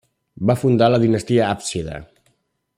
Va fundar la dinastia hàfsida.